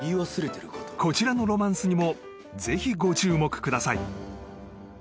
こちらのロマンスにもぜひご注目ください